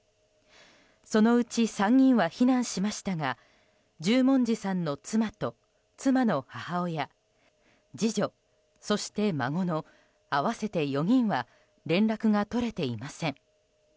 そのうち、３人は避難しましたが十文字さんの妻と妻の母親、次女、そして孫の合わせて４人は連絡が取れていません。